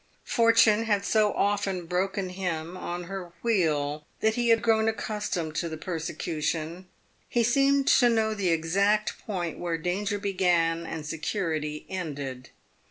Fortune had so often broken him on her wheel that he had grown accustomed to the persecution. He seemed to know the exact point where danger began and security ended.